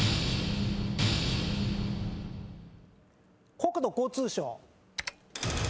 国土交通省。